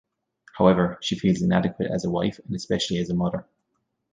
However, she feels inadequate as a wife and especially as a mother.